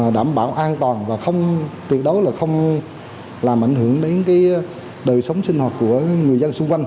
đảm bảo an toàn và không tuyệt đối là không làm ảnh hưởng đến đời sống sinh hoạt của người dân xung quanh